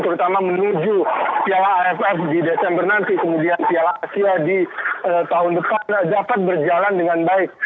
terutama menuju piala aff di desember nanti kemudian piala asia di tahun depan dapat berjalan dengan baik